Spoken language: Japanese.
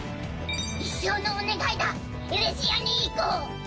「一生のお願いだエレジアに行こう」